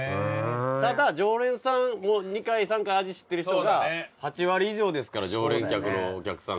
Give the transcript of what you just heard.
ただ常連さんもう２回３回味知ってる人が８割以上ですから常連客のお客さん。